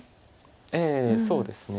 ええそうですね。